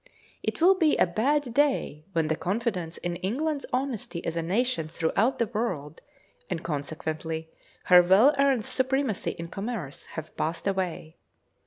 It will be a bad day when the confidence in England's honesty as a nation throughout the world, and consequently her well earned supremacy in commerce, have passed away.